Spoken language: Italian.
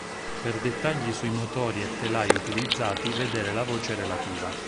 Per dettagli sui motori e telai utilizzati vedere la voce relativa.